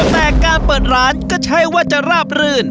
นะคะเปิดร้านจะระบเร่ิน